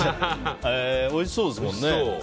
おいしそうですもんね。